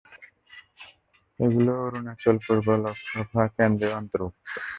এগুলি অরুণাচল পূর্ব লোকসভা কেন্দ্রের অন্তর্গত।